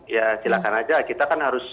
ya silahkan saja kita kan harus